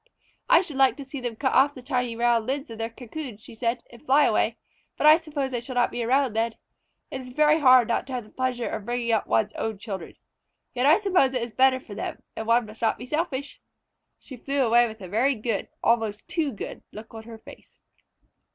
"I should like to see them cut off the tiny round lids of their cocoons," she said, "and fly away, but I suppose I shall not be around then. It is very hard not to have the pleasure of bringing up one's own children. Yet I suppose it is better for them, and one must not be selfish." She flew away with a very good, almost too good, look on her face.